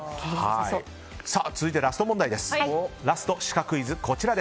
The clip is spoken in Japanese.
続いてラストです。